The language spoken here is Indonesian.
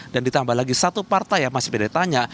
dan ditambah lagi satu partai yang masih beda tanya